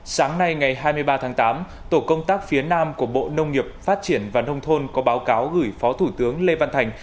sáng nay ngày hai mươi ba tháng tám tổ công tác phía nam của bộ nông nghiệp phát triển và nông thôn có báo cáo gửi phó thủ tướng lê văn thành